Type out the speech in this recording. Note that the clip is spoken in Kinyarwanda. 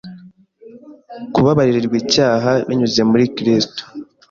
Kubabarirwa icyaha binyuze muri Kristo,